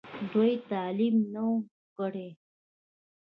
دوي تعليم نۀ وو کړی